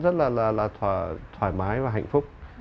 rất là là thoải mái và hạnh phúc